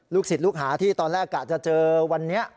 ศิษย์ลูกหาที่ตอนแรกกะจะเจอวันนี้